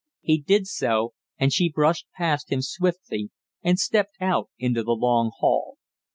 He did so, and she brushed past him swiftly and stepped out into the long hall.